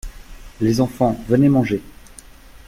Les enfants, venez manger.